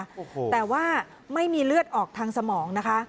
โอ้โหแต่ว่าไม่มีเลือดออกทางสมองนะคะ